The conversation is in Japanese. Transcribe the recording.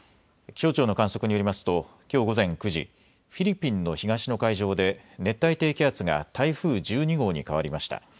気象庁の観測によりますときょう午前９時、フィリピンの東の海上で熱帯低気圧が台風１２号に変わりました。